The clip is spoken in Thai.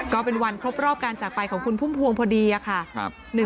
ก็เป็นวันครบรอบการจากไปของคุณพุ่มพวงพอดีค่ะ